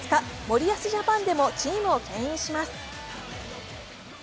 森保ジャパンでもチームをけん引します。